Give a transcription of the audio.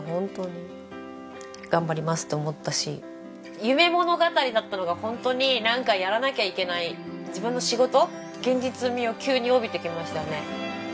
夢物語だったのがホントになんかやらなきゃいけない自分の仕事現実味を急に帯びてきましたよね。